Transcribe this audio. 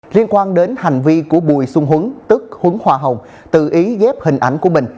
liên quan đến hành vi của bùi xuân huấn tức hướng hoa hồng tự ý ghép hình ảnh của mình